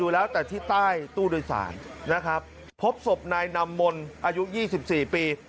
แล้วแต่ที่ใต้ตู้โดยสารนะครับพบศพนายนำมนต์อายุ๒๔ปี